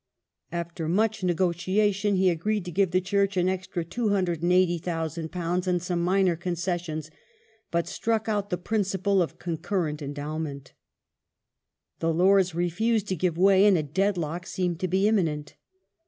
After much negotiation he agreed to give the Church an extra £280,000 and some minor concessions, but struck out the principle of concurrent endowment. The Lords refused to give way, and a deadlock seemed to be im minent.